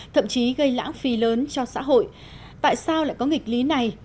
thậm chí gây lãng phí lớn cho xã hội tại sao lại có nghịch lý này